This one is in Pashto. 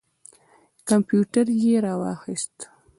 کمپیوټر یې را واخیست.